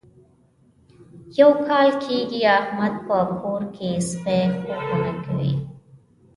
یو کال کېږي احمد په کور کې سپي خویونه کوي.